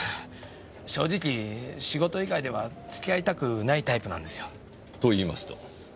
正直仕事以外では付き合いたくないタイプなんですよ。と言いますと？